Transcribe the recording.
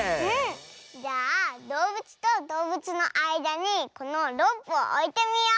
じゃあどうぶつとどうぶつのあいだにこのロープをおいてみよう。